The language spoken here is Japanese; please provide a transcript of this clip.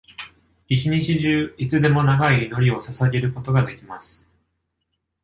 一日中いつでも長い祈りを捧げることができます。